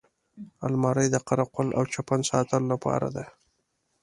الماري د قره قل او چپن ساتلو لپاره ده